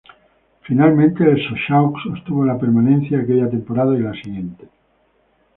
Finalmente, el Sochaux obtuvo la permanencia aquella temporada y la siguiente.